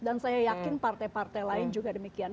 dan saya yakin partai partai lain juga demikian